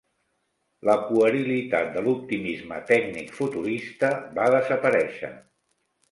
La puerilitat de l'optimisme tècnic futurista va desaparèixer.